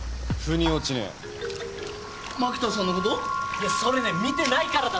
いやそれね見てないからだって。